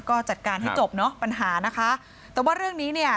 ก็จัดการให้จบเนอะปัญหานะคะแต่ว่าเรื่องนี้เนี่ย